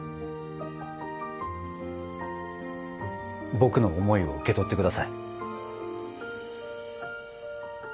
僕の思いを受け取って下さい。